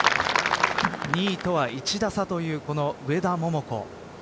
２位とは１打差という上田桃子。